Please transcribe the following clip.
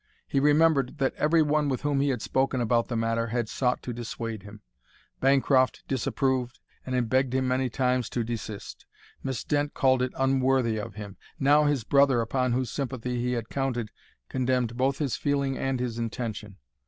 He remembered that every one with whom he had spoken about the matter had sought to dissuade him. Bancroft disapproved, and had begged him many times to desist. Miss Dent called it unworthy of him. Now his brother, upon whose sympathy he had counted, condemned both his feeling and his intention.